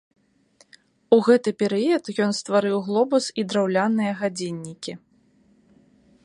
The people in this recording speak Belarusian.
У гэты перыяд ён стварыў глобус і драўляныя гадзіннікі.